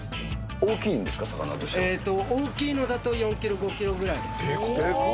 大きいのだと４キロ、５キロぐらい。